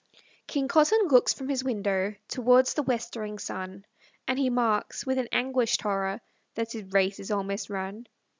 KING COTTON looks from his window Towards the westering sun, And he marks, with an anguished horror, That his race is almost run.